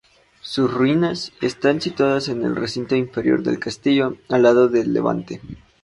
Sus ruinas están situadas en el recinto inferior del castillo, al lado de levante.